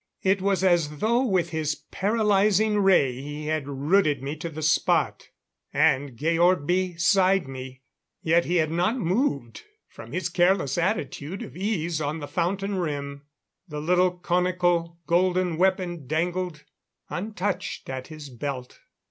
It was as though with his paralyzing ray he had rooted me to the spot. And Georg beside me. Yet he had not moved from his careless attitude of ease on the fountain rim; the little conical golden weapon dangled untouched at his belt.